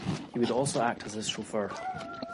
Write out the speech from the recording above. He would also act as his chauffeur.